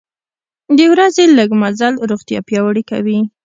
د ورځې لږه مزل روغتیا پیاوړې کوي.